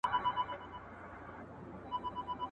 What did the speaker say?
د هري نوي زده کړي وروسته د خوښۍ احساس کیږي.